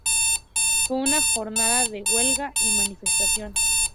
Fue una jornada de huelga y manifestación.